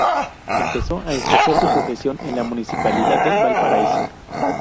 Empezó a ejercer su profesión en la Municipalidad de Valparaíso.